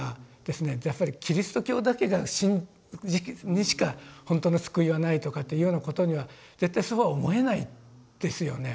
やっぱりキリスト教にしか本当の救いはないとかというようなことには絶対そうは思えないですよね。